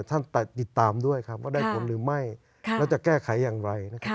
ติดตามด้วยครับว่าได้ผลหรือไม่แล้วจะแก้ไขอย่างไรนะครับ